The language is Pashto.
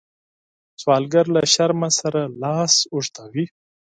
سوالګر له شرم سره لاس اوږدوي